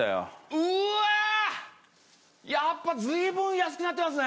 うわっやっぱ随分安くなってますね